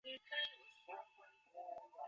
祝维沙被社会认可为成功的民营企业家。